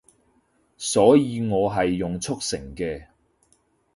所以我係用速成嘅